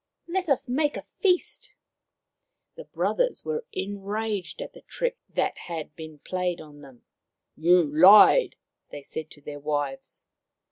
Let us make a feast." The brothers were enraged at the trick that had been played on them. " You lied !" they said to their wives.